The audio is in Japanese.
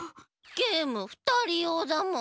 ゲームふたりようだもん。